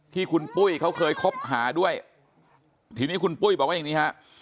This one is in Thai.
ที่คุณปุ้ยเขาเคยคบหาด้วยทีนี้คุณปุ้ยบอกว่าอย่างนี้ฮะ